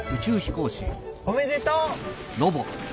おめでとう！